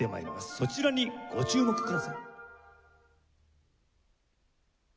そちらにご注目ください。